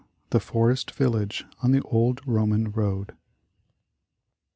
THE FOREST VILLAGE ON THE OLD ROMAN ROAD.